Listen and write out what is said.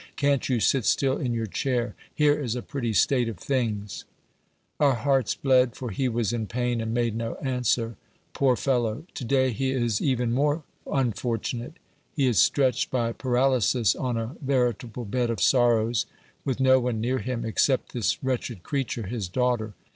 Can't you sit still in your chair ? Here is a pretty state of things !" Our hearts bled, for he was in pain and made no answer. Poor fellow ! To day he is even more unfortunate. He is stretched by paralysis on a veritable bed of sorrows, with no one near him except this wretched creature, his daughter.